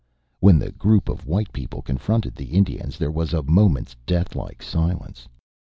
When the group of white people confronted the Indians there was a moment's deathlike silence.